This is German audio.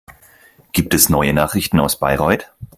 Gibt es neue Nachrichten aus Bayreuth?